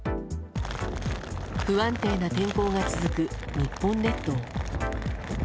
不安定な天候が続く日本列島。